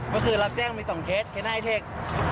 เมื่อคือรับแจ้งมีสองเคสเคสไนเทค